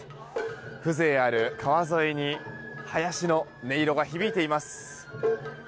風情ある川沿いに囃子の音色が響いています。